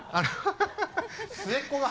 末っ子が。